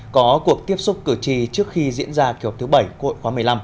có cuộc tiếp xúc cử tri trước khi diễn ra kỳ họp thứ bảy quốc hội khóa một mươi năm